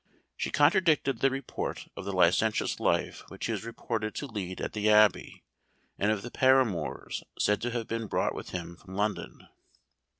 She contradicted the report of the licentious life which he was reported to lead at the Abbey, and of the paramours said to have been brought with him from London.